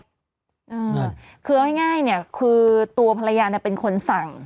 อ่าคือเอาง่ายง่ายเนี่ยคือตัวภรรยาเนี่ยเป็นคนสั่ง